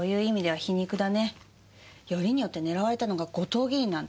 よりによって狙われたのが後藤議員なんて。